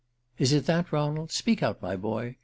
"_ Is_ it that, Ronald? Speak out, my boy.